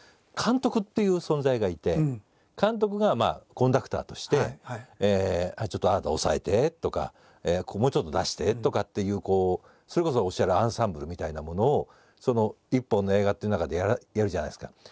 監督っていう存在がいて監督がコンダクターとして「ちょっとあなた抑えて」とか「ここもうちょっと出して」とかっていうそれこそおっしゃるアンサンブルみたいなものを一本の映画っていう中でやるじゃないですか。